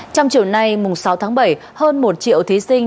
trong chiều nay mùng sáu tháng bảy hơn một triệu thí sinh